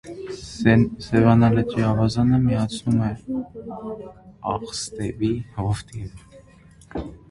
Սևան լճի ավազանը միացնում է Աղստևի հովտի հետ։